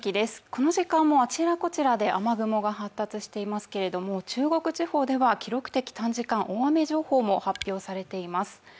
この時間もあちらこちらで雨雲が発達していますけれども、中国地方では記録的短時間大雨情報も発表されています。